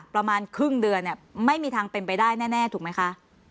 ประมาณครึ่งเดือนเนี่ยไม่มีทางเป็นไปได้แน่ถูกไหมคะ